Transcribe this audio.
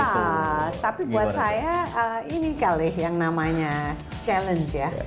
pas tapi buat saya ini kali yang namanya challenge ya